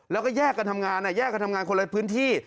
แล้วก็แยกกันทำงานแยกกันทำงานคนละพื้นที่